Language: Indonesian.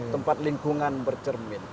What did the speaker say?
tempat lingkungan bercermin